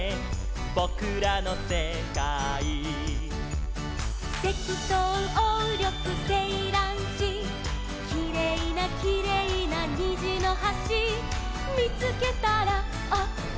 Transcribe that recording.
「ぼくらのせかい」「セキトウオウリョクセイランシ」「きれいなきれいなにじのはし」「みつけたらあっというまに」